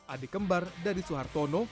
adik kembar dari suhartono